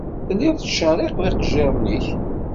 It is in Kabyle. Telliḍ tettčerriqeḍ iqejjaṛen-inek.